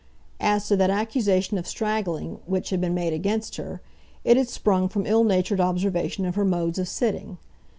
As to that accusation of straggling which had been made against her, it had sprung from ill natured observation of her modes of sitting.